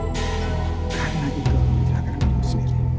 karena itu aku menyerahkan aku sendiri